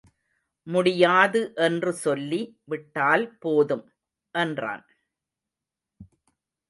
முடியாது என்று சொல்லி விட்டால் போதும்! என்றான்.